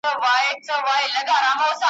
مرغکۍ دلته ګېډۍ دي د اغزیو `